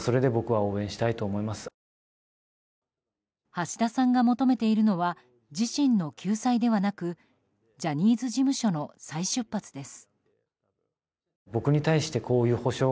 橋田さんが求めているのは自身の救済ではなくジャニーズ事務所の再出発です。